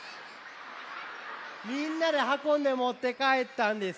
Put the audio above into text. みんなではこんでもってかえったんですね。